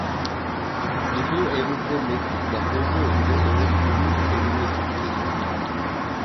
Dudu, elinde mektupla hızlı hızlı öğretmenin evine gitti.